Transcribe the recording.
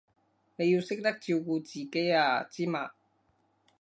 你要識得照顧自己啊，知嘛？